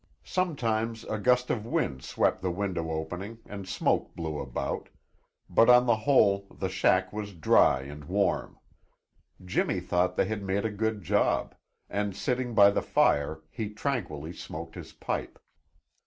Sometimes a gust of wind swept the window opening and smoke blew about, but on the whole the shack was dry and warm. Jimmy thought they had made a good job, and sitting by the fire, he tranquilly smoked his pipe.